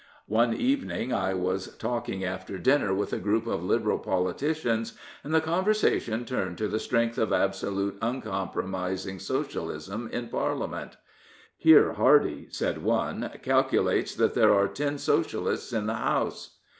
One evening I was talking after dinner with a group of Liberal politicians and the conversation turned to the strength of absolute, uncompromising Socialism in Parliament. " Keir Hardie," said one, " calculates that there are ten Socialists in the House."